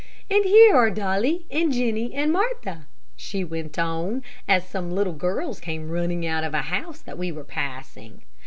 "And here are Dolly, and Jennie, and Martha," she went on, as some little girls came running out of a house that we were passing.